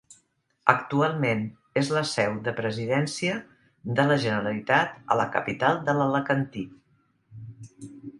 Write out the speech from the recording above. Actualment, és la seu de Presidència de la Generalitat a la capital de l'Alacantí.